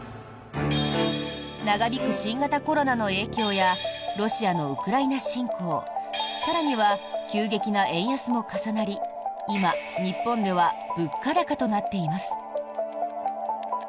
長引く新型コロナの影響やロシアのウクライナ侵攻更には急激な円安も重なり今、日本では物価高となっています。